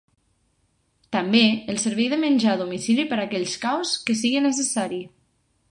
També el servei de menjar a domicili per a aquells caos que siga necessari.